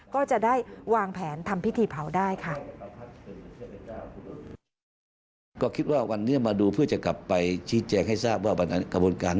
ก็จะได้วางแผนทำพิธีเผาได้ค่ะ